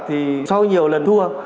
thì sau nhiều lần thua